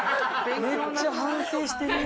めっちゃ反省してる。